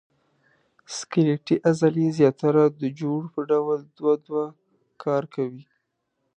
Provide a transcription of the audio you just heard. سکلیټي عضلې زیاتره د جوړو په ډول دوه دوه کار کوي.